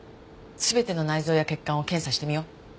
全ての内臓や血管を検査してみよう。